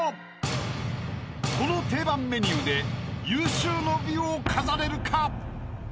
［この定番メニューで有終の美を飾れるか？］